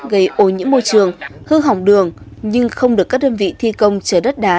gây ô nhiễm môi trường hư hỏng đường nhưng không được các đơn vị thi công chờ đất đá